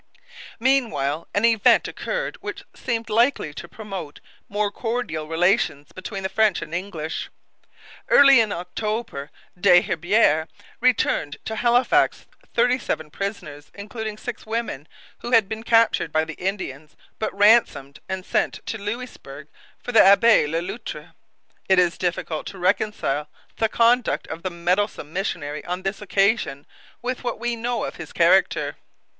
Meanwhile an event occurred which seemed likely to promote more cordial relations between the French and the English. Early in October Des Herbiers returned to Halifax thirty seven prisoners, including six women, who had been captured by the Indians but ransomed and sent to Louisbourg by the Abbe Le Loutre. It is difficult to reconcile the conduct of the meddlesome missionary on this occasion with what we know of his character.